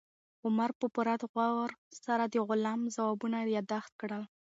عمر په پوره غور سره د غلام ځوابونه یاداښت کړل.